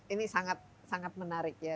ini sangat sangat menarik ya